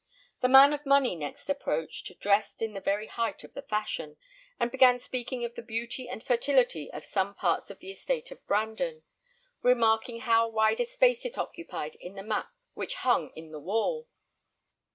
The man of money next approached, dressed in the very height of the fashion, and began speaking of the beauty and fertility of some parts of the estate of Brandon, remarking how wide a space it occupied in the map which hung in the hall.